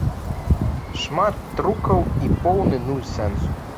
Шмат трукаў і поўны нуль сэнсу.